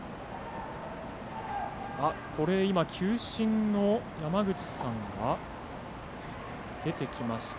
球審の山口さんが出てきました。